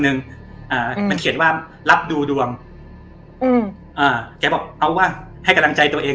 อ่ามันเขียนว่ารับดูดวงอืมอ่าแกบอกเอาว่ะให้กำลังใจตัวเอง